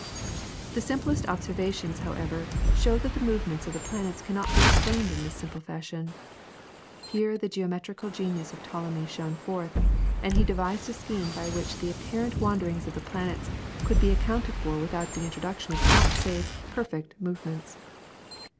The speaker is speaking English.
The simplest observations, however, show that the movements of the planets cannot be explained in this simple fashion. Here the geometrical genius of Ptolemy shone forth, and he devised a scheme by which the apparent wanderings of the planets could be accounted for without the introduction of aught save "perfect" movements.